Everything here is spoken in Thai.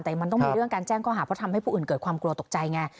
แต่มันต้องมีเรื่องการแจ้งข้อหาเพราะทำให้ผู้อื่นเกิดความกลัวตกใจไง